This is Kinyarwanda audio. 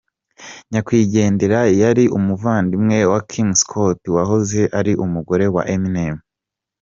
Nyakwigendera yari umuvandimwe wa Kim Scott wahoze ari umugore wa Eminem.